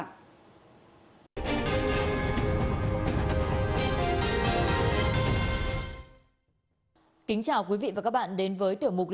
tiếp theo biên tập viên thu hương sẽ chuyển tới quý vị và các bạn những thông tin truy nã tội phạm